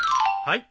はい。